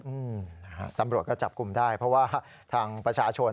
อืมนะฮะตำรวจก็จับกลุ่มได้เพราะว่าทางประชาชน